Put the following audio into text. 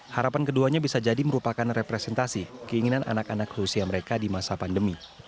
harapan keduanya bisa jadi merupakan representasi keinginan anak anak rusia mereka di masa pandemi